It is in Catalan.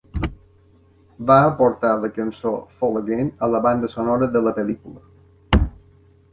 Va aportar la cançó "Fall Again" a la banda sonora de la pel·lícula.